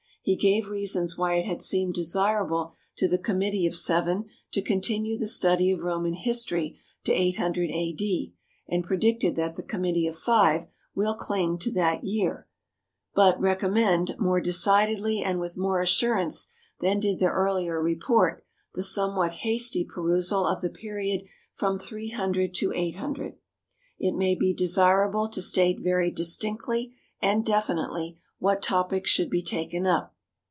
He gave reasons why it had seemed desirable to the Committee of Seven to continue the study of Roman history to 800 A.D., and predicted that the Committee of Five will cling to that year, "but recommend, more decidedly and with more assurance than did the earlier report, the somewhat hasty perusal of the period from 300 to 800. It may be desirable to state very distinctly and definitely what topics should be taken up....